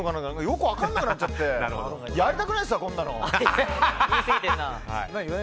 よく分からなくなっちゃってやりたくないですわ、こんなの！